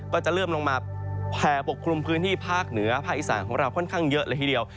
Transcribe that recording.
ก็จะเริ่มลงมาแผ่ปกคลุมพื้นที่ภาคเหนือภาคอีสานของเราค่อนข้างเยอะเลยทีเดียว